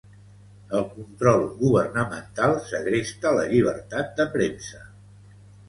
El control governamental segresta la llibertat de premsa.